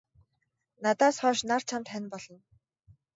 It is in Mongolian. Надаас хойш нар чамд хань болно.